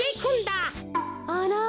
あら！